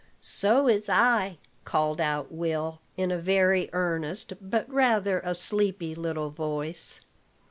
"So is I," called out Will, in a very earnest, but rather a sleepy, little voice.